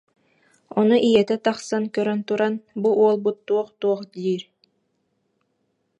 Ону ийэтэ тахсан көрөн туран: «Бу уолбут туох-туох диир